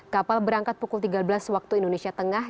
kapal berangkat pukul tiga belas waktu indonesia tengah